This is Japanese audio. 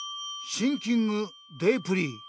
シンキングデープリー。